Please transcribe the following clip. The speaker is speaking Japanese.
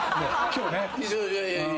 今日ね。